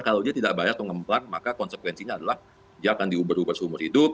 kalau dia tidak bayar atau ngembang maka konsekuensinya adalah dia akan diuber uber seumur hidup